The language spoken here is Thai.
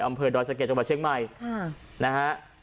อำเภอดอยสะเก็ดจังหวัดเชียงใหม่นะฮะ